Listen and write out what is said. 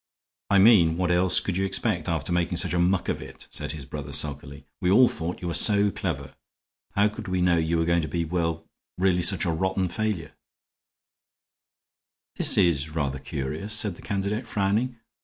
"I mean what else could you expect, after making such a muck of it?" said his brother, sulkily. "We all thought you were so clever. How could we know you were going to be well, really, such a rotten failure?" "This is rather curious," said the candidate, frowning.